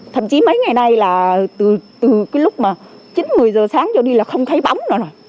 thậm chí mấy ngày nay là từ cái lúc mà chín một mươi giờ sáng cho đi là không thấy bóng nữa rồi